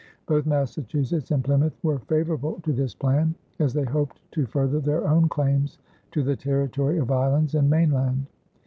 Both Massachusetts and Plymouth were favorable to this plan, as they hoped to further their own claims to the territory of islands and mainland.